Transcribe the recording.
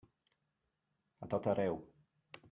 A tot arreu.